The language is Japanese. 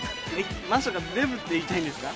まさかデブって言いたいんですか？